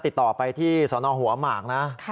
ติดต่อไปที่สนหัวหมากนะ